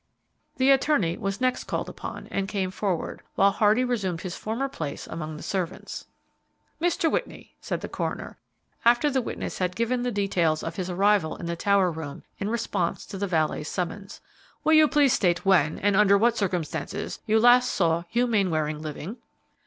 The attorney was next called upon, and came forward, while Hardy resumed his former place among the servants. "Mr. Whitney," said the coroner, after the witness had given the details of his arrival in the tower room in response to the valet's summons, "will you please state when, and under what circumstances, you last saw Hugh Mainwaring living."